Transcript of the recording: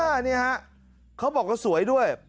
เออเนี่ยค่ะเขาบอกก็สวยด้วย